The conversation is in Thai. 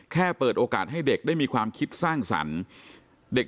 เปิดโอกาสให้เด็กได้มีความคิดสร้างสรรค์เด็ก